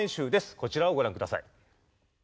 こちらをご覧ください。